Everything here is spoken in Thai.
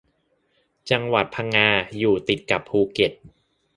จังหวัดพังงาอยู่ติดกับภูเก็ต